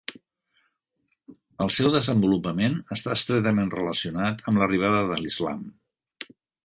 El seu desenvolupament està estretament relacionat amb l'arribada de l'Islam.